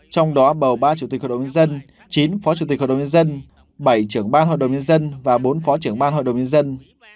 trong đó bầu ba chủ tịch hội đồng nhân dân chín phó chủ tịch hội đồng nhân dân bảy trưởng ban hội đồng nhân dân và bốn phó trưởng ban hội đồng nhân dân